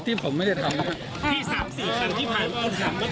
ที่ผมไม่ได้ทำที่สามสี่ครั้งที่พายมาเอาถามว่า